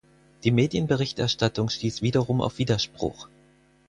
Die Medienberichterstattung stieß wiederum auf Widerspruch.